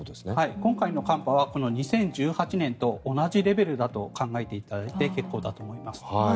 今回の寒波はこの２０１８年の時と同じレベルだと考えていただいて結構だと思います。